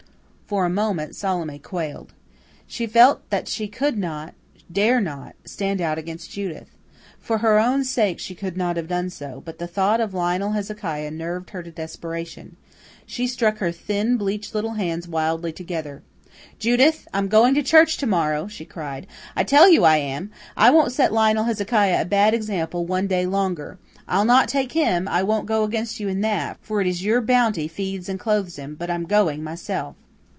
For a moment Salome quailed. She felt that she could not, dare not, stand out against Judith. For her own sake she could not have done so, but the thought of Lionel Hezekiah nerved her to desperation. She struck her thin, bleached little hands wildly together. "Judith, I'm going to church to morrow," she cried. "I tell you I am, I won't set Lionel Hezekiah a bad example one day longer. I'll not take him; I won't go against you in that, for it is your bounty feeds and clothes him; but I'm going myself."